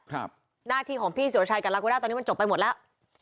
หน้าที่ของพี่สุรชัยกับลาโกด้าตอนนี้มันจบไปหมดแล้ว